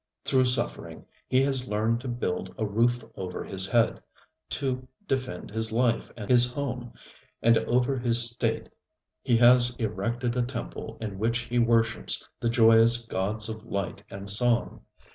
Through suffering he has learned to build a roof over his head, to defend his life and his home, and over his state he has erected a temple in which he worships the joyous gods of light and song.